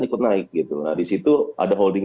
ikut naik gitu nah disitu ada holding